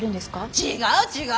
違う違う！